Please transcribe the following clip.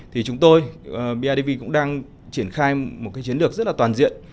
thì chúng tôi bidv cũng đang triển khai một cái chiến lược rất là toàn diện